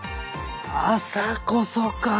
朝こそか。